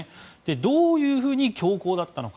どういうふうに強硬だったのか。